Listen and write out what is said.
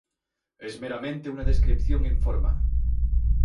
Es meramente una descripción en forma.